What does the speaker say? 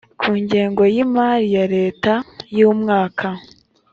ku ngengo y imari ya leta y umwaka